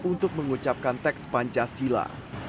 untuk mengucapkan teks pancasila